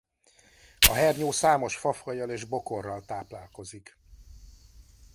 A hernyó számos fafajjal és bokorral táplálkozik.